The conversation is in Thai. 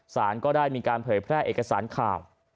สารก็ได้พยายามเปิดแพร่เอกสารข่าว